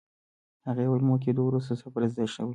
هغې وویل، مور کېدو وروسته صبر زده شوی.